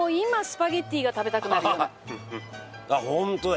あっホントだ！